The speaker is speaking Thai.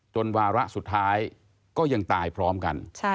วาระสุดท้ายก็ยังตายพร้อมกัน